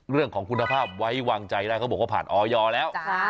เรื่องของคุณภาพไว้วางใจได้พาดอโยแล้ว